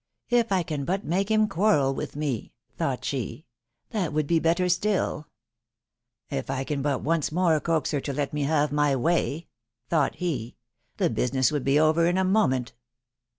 ... If I can but make him. quasrel with me," thought she, ..." that would he better still !"" If I can but once more coax her to let me have my way/' thought he, ...." the business would be over in a moment